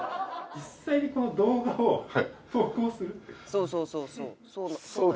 「そうそうそうそう」